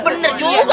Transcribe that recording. benar juga itu